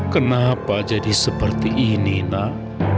kenapa jadi seperti ini nak